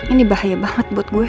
ini bahaya banget buat gue